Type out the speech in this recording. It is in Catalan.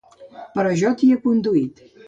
Però jo t'hi he conduït.